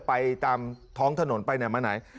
ไปตามท้องถนนไปไหนมาไหน